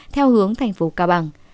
theo hướng thành phố cao bằng